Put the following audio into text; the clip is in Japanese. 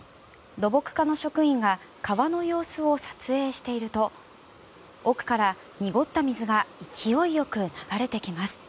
土木課の職員が川の様子を撮影していると奥から濁った水が勢いよく流れてきます。